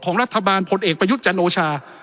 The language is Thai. รัฐบาลพลเอกประยุทธ์จันโอชา